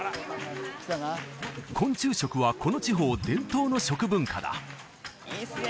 昆虫食はこの地方伝統の食文化だいいっすね